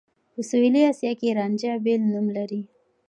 په سوېلي اسيا کې رانجه بېل نوم لري.